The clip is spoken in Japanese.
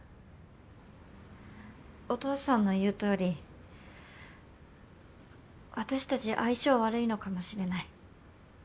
お父さんの言う通り私たち相性悪いのかもしれない。